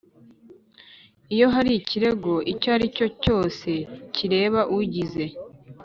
Iyo hari ikirego icyo ari cyo cyose kireba ugize